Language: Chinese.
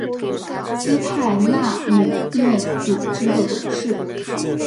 斯泰纳姆任组织的董事。